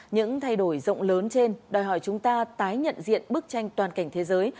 những thay đổi rộng lớn trên đòi hỏi chúng ta tái nhận diện bức tranh toàn cảnh thế giới